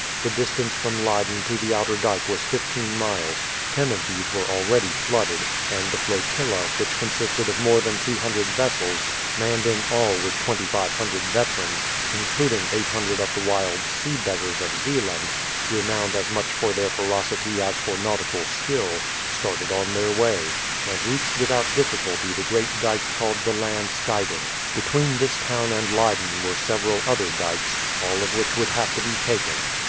The distance from Leyden to the outer dyke was fifteen miles; ten of these were already flooded, and the flotilla, which consisted of more than 200 vessels, manned in all with 2500 veterans, including 800 of the wild sea beggars of Zeeland, renowned as much for their ferocity as for nautical skill, started on their way, and reached without difficulty the great dyke called the Land Scheiding. Between this town and Leyden were several other dykes, all of which would have to be taken.